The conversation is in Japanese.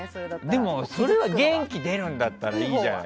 でも、それで元気が出るんだったらいいじゃん。